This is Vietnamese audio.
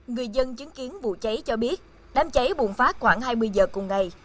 người dân chứng kiến vụ cháy cho biết đám cháy bùng phát khoảng hai mươi giờ cùng ngày